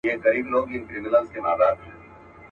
زه یې نه سمه لیدلای چي ستا ښکار وي.